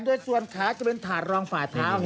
โดยส่วนขาจะเป็นถาดรองฝ่าเท้า